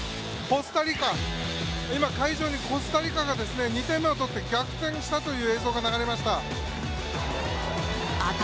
今、会場にコスタリカが２点目を取って逆転したという映像が流れました。